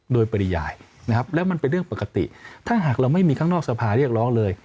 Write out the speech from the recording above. โดยปริยายนะครับแล้วมันเป็นเรื่องปกติถ้าหากเราไม่มีข้างนอกสภาเรียกร้องเลย